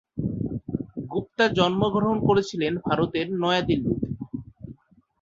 গুপ্তা জন্মগ্রহণ করেছিলেন ভারতের নয়া দিল্লীতে।